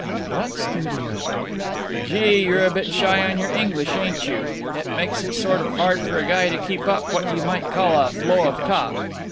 "What studio?" "Gee! you're a bit shy on your English, ain't you? It makes it sort of hard for a guy to keep up what you might call a flow of talk.